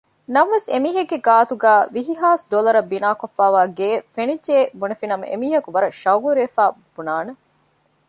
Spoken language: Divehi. ނަމަވެސް އެމީހެއްގެ ގާތުގައި ވިހިހާސް ޑޮލަރަށް ބިނާކޮށްފައިވާ ގެއެއް ފެނިއްޖެއޭ ބުނެފިނަމަ އެމީހަކު ވަރަށް ޝައުގުވެރިވެފައިވާ ބުނާނެ